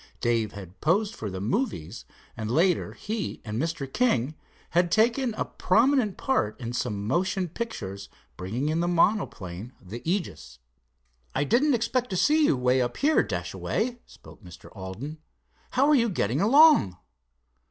Dave had posed for the "movies," and later he and Mr. King had taken a prominent part in some motion pictures bringing in the monoplane, the Aegis. "I didn't expect to see you way up here, Dashaway," spoke Mr. Alden. "How are you getting along?"